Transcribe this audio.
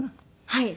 はい。